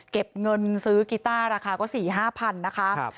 เก็บเงินซื้อกีต้าราคาก็๔๕๐๐นะคะ